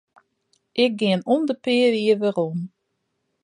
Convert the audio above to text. Ik gean om de pear jier werom.